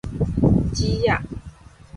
子仔